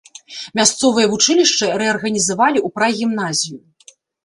Мясцовае вучылішча рэарганізавалі ў прагімназію.